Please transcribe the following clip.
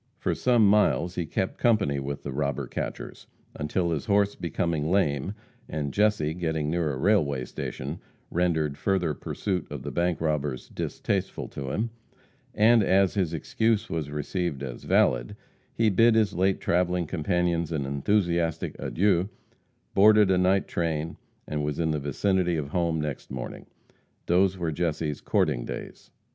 For some miles he kept company with the robber catchers, until his horse becoming lame, and Jesse getting near a railway station, rendered further pursuit of bank robbers distasteful to him, and as his excuse was received as valid, he bid his late traveling companions an enthusiastic adieu, boarded a night train, and was in the vicinity of home next morning. Those were Jesse's courting days.